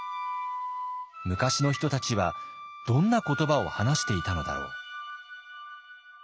昔の人たちはどんな言葉を話していたのだろう？